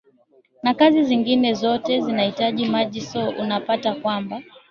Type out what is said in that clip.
na kazi zingine sote zinaitaji maji so unapata kwamba